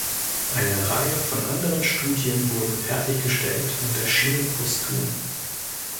Eine Reihe von anderen Studien wurden fertiggestellt und erschienen postum.